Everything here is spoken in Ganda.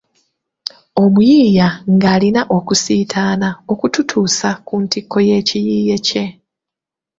Omuyiiya ng'alina okusiitaana okututuusa ku ntikko y'ekiyiiye kye.